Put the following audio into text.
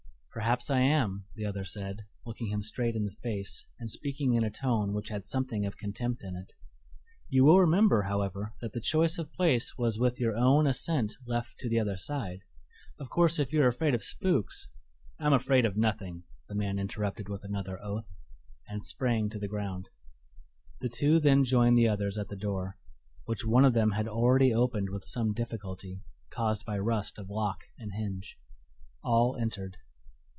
"Perhaps I am," the other said, looking him straight in the face and speaking in a tone which had something of contempt in it. "You will remember, however, that the choice of place was with your own assent left to the other side. Of course if you are afraid of spooks " "I am afraid of nothing," the man interrupted with another oath, and sprang to the ground. The two then joined the others at the door, which one of them had already opened with some difficulty, caused by rust of lock and hinge. All entered.